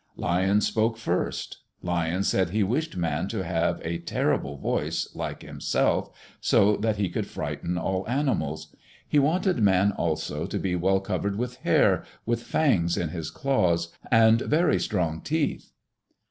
Lion spoke first. Lion said he wished man to have a terrible voice, like himself, so that he could frighten all animals. He wanted man also to be well covered with hair, with fangs in his claws, and very strong teeth.